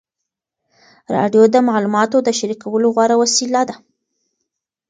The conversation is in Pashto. راډیو د معلوماتو د شریکولو غوره وسیله ده.